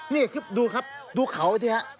นี่ดูครับดูเขาที่นี่ครับ